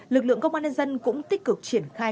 lực lượng công an nhân dân cũng tích cực triển khai